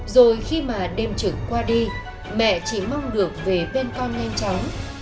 rồi khi mà đêm trực qua đi mẹ chỉ mong được về bên con nhanh chóng